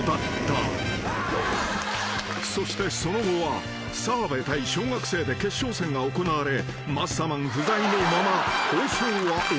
［そしてその後は澤部対小学生で決勝戦が行われマッサマン不在のまま放送は終わった］